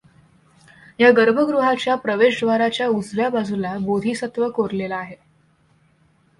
या गर्भगृहाच्या प्रवेशद्वाराच्या उजव्या बाजूला बोधिसत्व कोरलेला आहे.